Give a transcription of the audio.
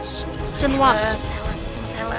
ssst masalah masalah